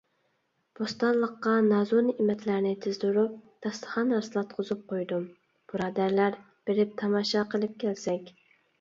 بوستانلىققا نازۇنېمەتلەرنى تىزدۇرۇپ، داستىخان راسلاتقۇزۇپ قويدۇم. بۇرادەرلەر، بېرىپ تاماشا قىلىپ كەلسەك.